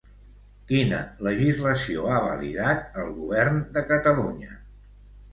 Quina legislació ha validat el govern de Catalunya?